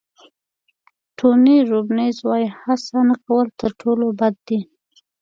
ټوني روبینز وایي هڅه نه کول تر ټولو بد دي.